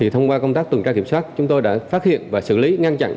thông qua công tác tuần tra kiểm soát chúng tôi đã phát hiện và xử lý ngăn chặn